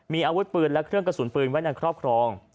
มีอาวุธปืนและเครื่องกระสุนปืนไว้ในครอบครอง